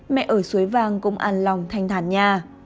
mẹ ở suối vàng cũng an lòng thanh thản nha